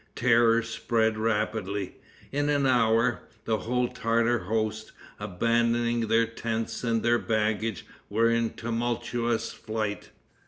Terror spread rapidly. In an hour, the whole Tartar host, abandoning their tents and their baggage, were in tumultuous flight.